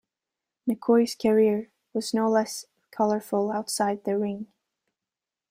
McCoy's career was no less colorful outside the ring.